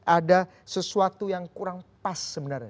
ada sesuatu yang kurang pas sebenarnya